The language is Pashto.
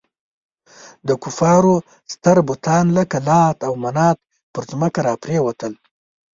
د کفارو ستر بتان لکه لات او منات پر ځمکه را پرېوتل.